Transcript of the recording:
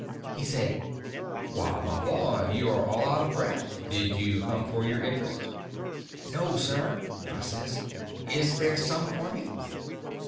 He said: "Why, my boy, you are all out of breath. Did you come for your interest?" "No, sir," I says; "is there some for me?"